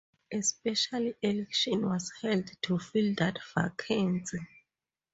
A special election was held to fill that vacancy.